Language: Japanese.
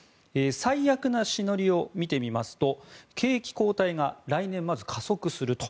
最悪なシナリオを見てみますと景気後退が来年まず加速すると。